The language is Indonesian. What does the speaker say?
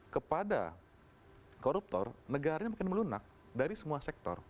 kepada koruptor negaranya mungkin melunak dari semua sektor